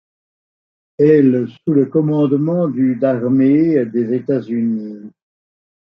Elle sous le commandement du d'armée des États-Unis.